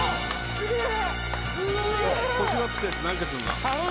すげえ！」